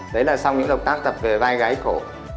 đấy là xong những động tác tập về vai gái cổ